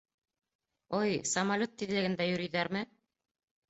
— Ой. самолет тиҙлегендә йөрөйҙәрме?